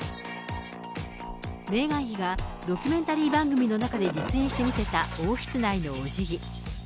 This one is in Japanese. メーガン妃がドキュメンタリー番組の中で実演して見せた王室内のおじぎ。